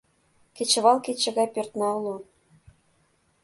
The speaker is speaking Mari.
Кечывал кече гай пӧртна уло